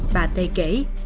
bà tê kỹ